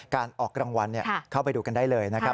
การออกรางวัลเข้าไปดูกันได้เลยนะครับ